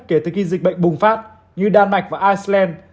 kể từ khi dịch bệnh bùng phát như đan mạch và iceland